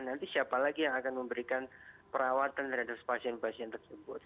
nanti siapa lagi yang akan memberikan perawatan terhadap pasien pasien tersebut